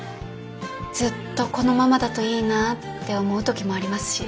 ずっとこのままだといいなぁって思う時もありますし。